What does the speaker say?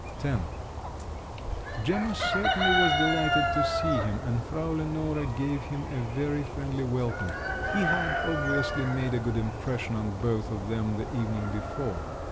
X Gemma certainly was delighted to see him, and Frau Lenore gave him a very friendly welcome; he had obviously made a good impression on both of them the evening before.